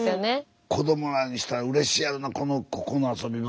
子どもらにしたらうれしいやろなここのあそび場。